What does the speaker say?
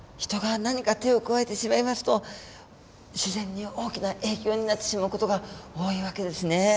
人が何か手を加えてしまいますと自然に大きな影響になってしまう事が多い訳ですね。